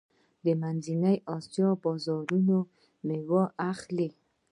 د منځنۍ اسیا بازارونه میوې اخلي.